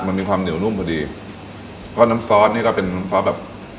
มันมีความเหนียวนุ่มพอดีก็น้ำซอสนี่ก็เป็นน้ำซอสแบบ